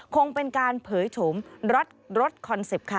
คงเป็นการเผยโฉมรถคอนเซ็ปต์ค่ะ